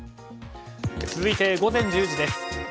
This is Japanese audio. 続いて午前１０時です。